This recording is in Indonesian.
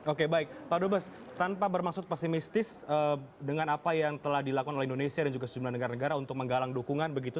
oke baik pak dubes tanpa bermaksud pesimistis dengan apa yang telah dilakukan oleh indonesia dan juga sejumlah negara negara untuk menggalang dukungan begitu